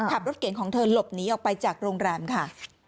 ขับรถเก่งของเธอหลบหนีออกไปจากโรงแรมค่ะ